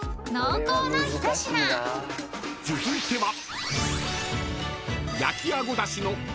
［続いては］